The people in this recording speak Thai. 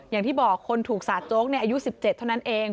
อย่างที่บอกคนถูกสาดโจ๊กอายุ๑๗เท่านั้นเอง